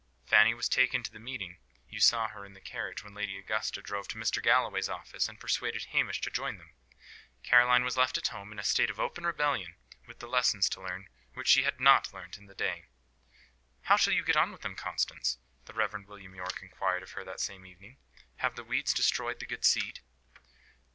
Fanny was taken to the meeting you saw her in the carriage when Lady Augusta drove to Mr. Galloway's office, and persuaded Hamish to join them Caroline was left at home, in a state of open rebellion, with the lessons to learn which she had not learnt in the day. "How shall you get on with them, Constance?" the Rev. William Yorke inquired of her that same evening. "Have the weeds destroyed the good seed?"